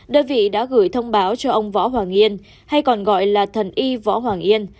đơn vị đã gửi thông báo cho ông võ hoàng yên hay còn gọi là thần y võ hoàng yên